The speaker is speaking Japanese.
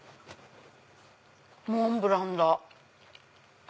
モンブランだ。